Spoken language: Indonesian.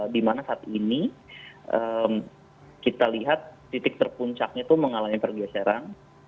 di mana saat ini kita lihat titik terpuncaknya itu mengalami pergeseran